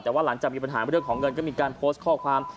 แต่ว่าหลังจากมีปัญหาเรื่องของเงินก็มีการโพสต์ข้อความ